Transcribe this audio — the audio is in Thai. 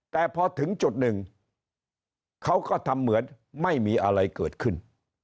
แต่พอถึงจุดหนึ่งเขาก็ทำเหมือนไม่มีอะไรเกิดขึ้น